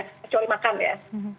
kecuali makan ya